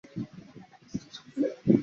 小岩站的铁路车站。